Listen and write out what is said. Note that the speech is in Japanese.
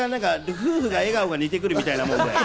夫婦の笑顔が似てくるみたいなもんで。